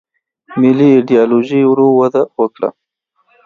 ملي ایدیالوژي ورو وده وکړه.